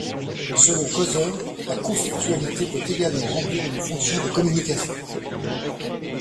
Selon Coser, la conflictualité peut également remplir une fonction de communication.